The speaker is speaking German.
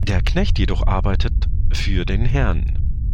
Der Knecht jedoch arbeitet für den Herrn.